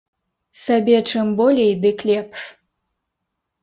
Сабе чым болей, дык лепш.